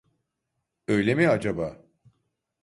Öyle mi acaba?